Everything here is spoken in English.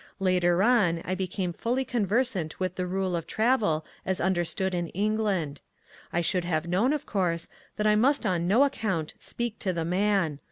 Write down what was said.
Later on I became fully conversant with the rule of travel as understood in England. I should have known, of course, that I must on no account speak to the man.